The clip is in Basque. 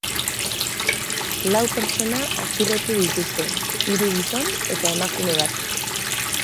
Lau pertsona atxilotu dituzte, hiru gizon eta emakume bat.